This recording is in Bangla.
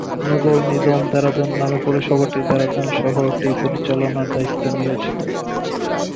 নগর নিগম দেরাদুন নামের পৌরসভাটি দেরাদুন শহরটি পরিচালনার দায়িত্বে নিয়োজিত।